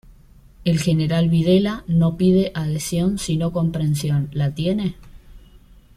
El General Videla no pide adhesión, sino comprensión, la tiene".